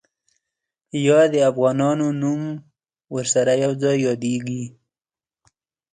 یا د افغانانو نوم ورسره یو ځای یادېږي.